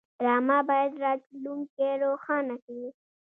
ډرامه باید راتلونکی روښانه کړي